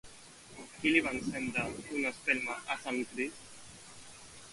Qui li va encendre una espelma a Sant Crist?